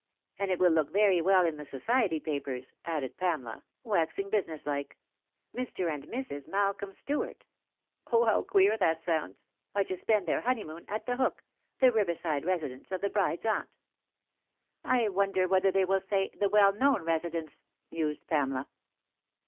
And it will look very well in the society papers," added Pamela, waxing business like. "* Mr. and Mrs. Malcolm Stuart !' (0, how queer that sounds !)' are to spend their honeymoon at The Hook, the riverside residence of the bride's aunt.' I wonder whether they will say 4 the well known residence '?" mused Pamela.